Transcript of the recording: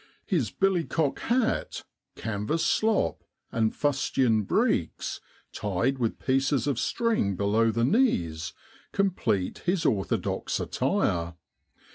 His billycock hat, canvas slop, and fustian breeks, tied with pieces of string below the knees, complete his orthodox attire.